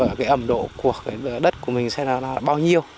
ở cái ẩm độ của cái đất của mình sẽ là bao nhiêu